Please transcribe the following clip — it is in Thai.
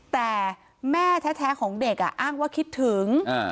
แต่แม่แท้ของเด็กอ้างว่าคิดถึง